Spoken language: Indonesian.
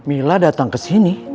iya ada yang mau ketemu sama pak roy